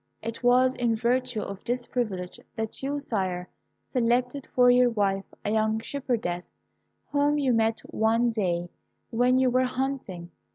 It was in virtue of this privilege that you, Sire, selected for your wife a young shepherdess whom you met one day when you were hunting.